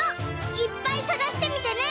いっぱいさがしてみてね！